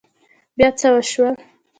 بيا څه وشول؟